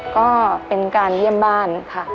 ก็เป็นการเยี่ยมบ้านค่ะ